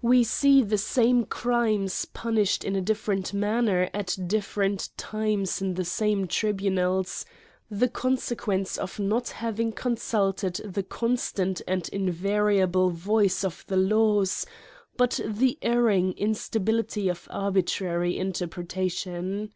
We see the same crimes punished in a different manner at different times in the same tribunals, the consequence of not having consulted the constant and invariable voice of the laws, but the erring instability of arbitrary inter pretation.